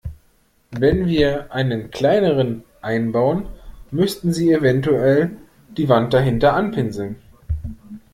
Wenn wir einen kleineren einbauen, müssten Sie eventuell die Wand dahinter anpinseln.